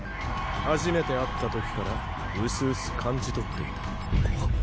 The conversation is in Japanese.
初めて会ったときからうすうす感じ取っていた。